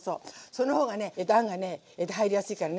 そのほうがねあんがね入りやすいからね。